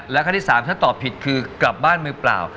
และขั้นที่๓ถ้าตอบผิดคือกลับบ้านมือเปล่า